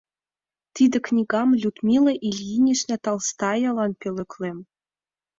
Тиде книгам Людмила Ильинична Толстаялан пӧлеклем.